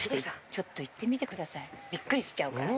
ちょっと行ってみてくださいびっくりしちゃうから。